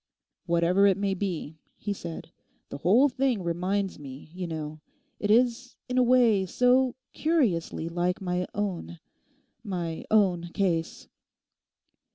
'Whatever it may be,' he said, 'the whole thing reminds me, you know—it is in a way so curiously like my own—my own case.